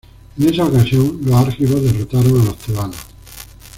En esa ocasión, los argivos derrotaron a los tebanos.